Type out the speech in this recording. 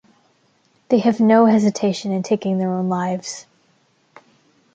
They have no hesitation in taking their own lives.